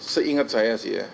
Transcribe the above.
seingat saya sih ya